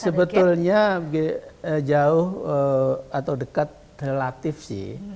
sebetulnya jauh atau dekat relatif sih